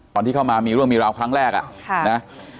ตอนที่เข้ามามีเรื่องมีราวครั้งแรกอ่ะนะ